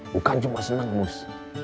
bukan cuma senang mus